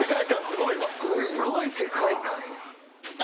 すごい「世界観」や。